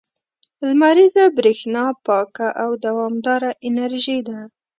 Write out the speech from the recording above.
• لمریزه برېښنا پاکه او دوامداره انرژي ده.